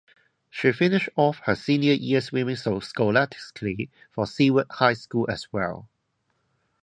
She finished off her senior year swimming scholastically for Seward High School as well.